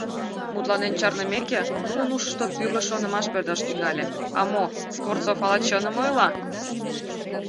Мутланен чарнымеке, тудын ушышто тӱрлӧ шонымаш пӧрдаш тӱҥале: «А мо, Скворцов ала чыным ойла?